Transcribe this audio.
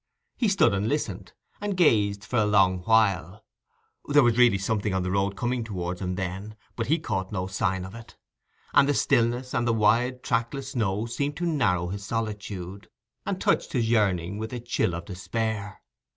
He stood and listened, and gazed for a long while—there was really something on the road coming towards him then, but he caught no sign of it; and the stillness and the wide trackless snow seemed to narrow his solitude, and touched his yearning with the chill of despair.